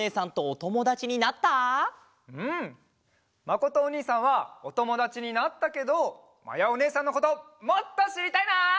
まことおにいさんはおともだちになったけどまやおねえさんのこともっとしりたいな！